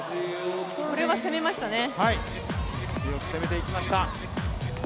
これは攻めましたね。